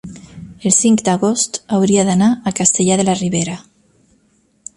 el cinc d'agost hauria d'anar a Castellar de la Ribera.